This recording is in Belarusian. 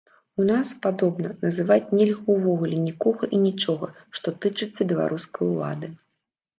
У нас, падобна, называць нельга ўвогуле нікога і нічога, што тычыцца беларускай улады.